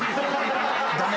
ダメ？